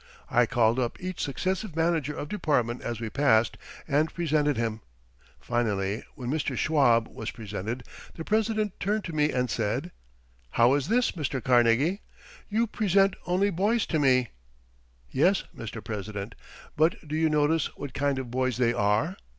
I called up each successive manager of department as we passed and presented him. Finally, when Mr. Schwab was presented, the President turned to me and said, "How is this, Mr. Carnegie? You present only boys to me." "Yes, Mr. President, but do you notice what kind of boys they are?"